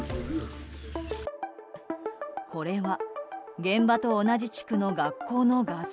これは現場と同じ地区の学校の画像。